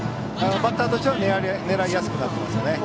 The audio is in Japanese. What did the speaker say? バッターとしては狙いやすくなっていますね。